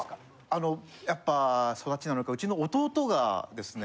あのやっぱ育ちなのかうちの弟がですね